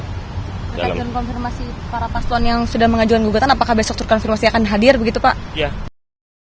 pada konfirmasi para paslon yang sudah mengajuan gugutan apakah besok konfirmasi akan hadir begitu pak